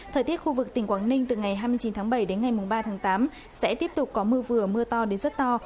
thời tiết khu vực tỉnh quảng ninh từ ngày hai mươi chín tháng bảy đến ngày ba tháng tám sẽ tiếp tục có mưa vừa mưa to đến rất to